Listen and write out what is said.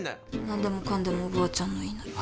何でもかんでもおばあちゃんの言いなり。